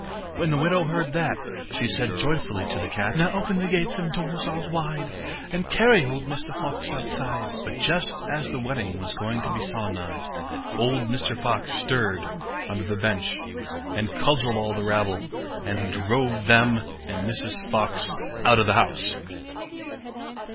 When the widow heard that, she said joyfully to the cat: 'Now open the gates and doors all wide, And carry old Mr Fox outside.' But just as the wedding was going to be solemnized, old Mr Fox stirred under the bench, and cudgelled all the rabble, and drove them and Mrs Fox out of the house.